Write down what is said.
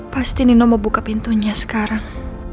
pasti nino mau buka pintunya sekarang